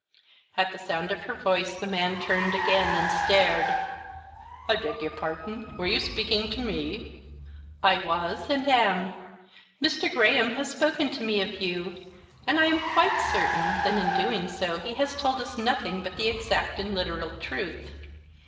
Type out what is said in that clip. At the sound of her voice the man turned again, and stared. "I beg your pardon. Were you speaking to me?" "I was, and am. Mr. Graham has spoken to me of you, and I am quite certain that in doing so he has told us nothing but the exact and literal truth.